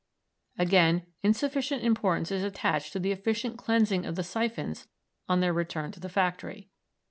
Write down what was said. Again, insufficient importance is attached to the efficient cleansing of the syphons on their return to the factory.